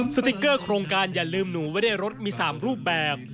สติ๊กเกอร์โครงการอย่าลืมหนูไว้ในรถมี๓รูปแบบ